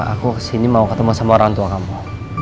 aku kesini mau ketemu sama orang tua kamu